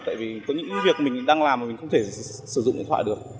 tại vì có những việc mình đang làm mà mình không thể sử dụng điện thoại được